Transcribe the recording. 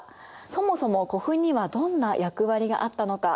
そもそも古墳にはどんな役割があったのか。